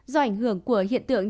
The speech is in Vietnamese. do ảnh hưởng của hiện tượng